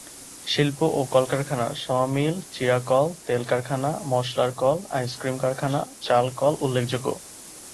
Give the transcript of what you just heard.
শিল্প ও কলকারখানা স’ মিল, চিড়াকল, তেলকারখানা, মসলার কল, আইসক্রিম কারখানা, চালকল উল্লেখযোগ্য।